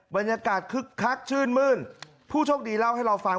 บรรยากาศคลักษณ์ชื่นมื้นผู้โชคดีเล่าให้เราฟัง